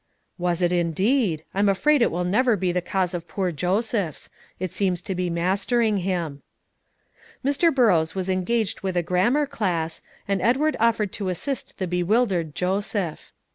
"Was it, indeed! I'm afraid it will never be the cause of poor Joseph's; it seems to be mastering him." Mr. Burrows was engaged with a grammar class, and Edward offered to assist the bewildered Joseph.